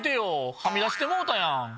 はみ出してもうたやん！